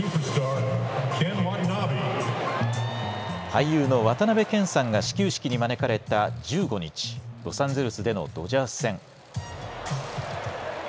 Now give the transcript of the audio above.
俳優の渡辺謙さんが始球式に招かれた１５日、ロサンゼルスでのドジャース戦。